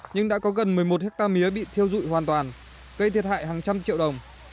nhưng đã có gần một mươi một hectare mía bị thiêu dụi hoàn toàn gây thiệt hại hàng trăm triệu đồng